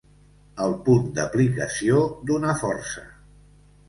El punt d'aplicació d'una força.